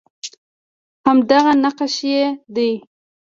همدغه نقش یې دی